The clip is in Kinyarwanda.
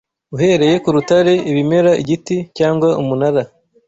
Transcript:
uhereye ku rutare, ibimera, igiti, cyangwa umunara.